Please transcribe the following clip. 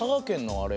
あれ？